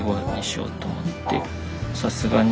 さすがに